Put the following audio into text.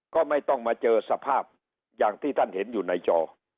ก็ไม่ต้องมาเจอสภาพอย่างที่ท่านเห็นอยู่ในจอ